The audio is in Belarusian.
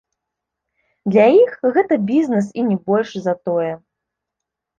Для іх гэта бізнес і не больш за тое.